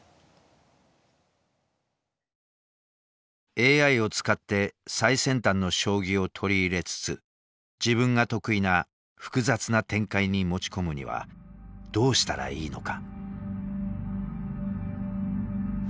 ＡＩを使って最先端の将棋を取り入れつつ自分が得意な「複雑な展開」に持ち込むにはどうしたらいいのか。